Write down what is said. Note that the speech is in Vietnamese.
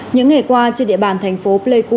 những ngày qua trên địa bàn thành phố pleiku